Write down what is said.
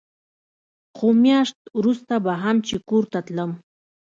خو مياشت وروسته به هم چې کور ته تلم.